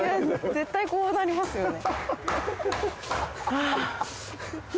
絶対こうなりますよね。